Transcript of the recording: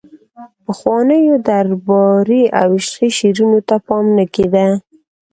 پخوانیو درباري او عشقي شعرونو ته پام نه کیده